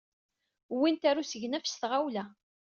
Wwin-t ɣer usegnaf s tɣawla.